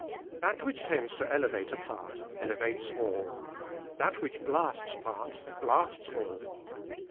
That which tends to elevate a part, elevates all. That which blasts part, blasts all.